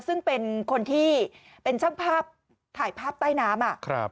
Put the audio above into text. ซึ่งเป็นคนที่เป็นช่างภาพถ่ายภาพใต้น้ำ